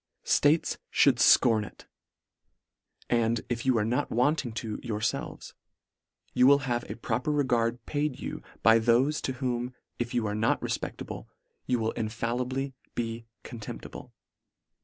States mould fcorn it And, if you are not wanting to yourfelves, you will have a proper regard paid you by thofe, to whom if you are not refpeclable, you will infallibly be contemptible.